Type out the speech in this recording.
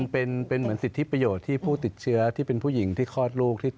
เป็นเหมือนสิทธิประโยชน์ที่ผู้ติดเชื้อที่เป็นผู้หญิงที่คลอดลูก